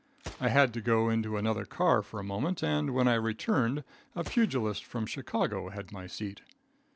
I had to go into another car for a moment, and when I returned a pugilist from Chicago had my seat.